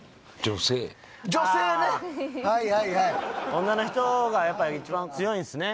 女性ねはいはいはい女の人がやっぱ一番強いんすね